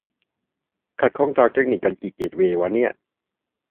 ขัดข้องทางเทคนิคกันกี่เกตเวย์วะเนี่ย